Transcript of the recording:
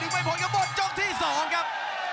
ดึงไม่พ้นกระบวนจงที่สองครับ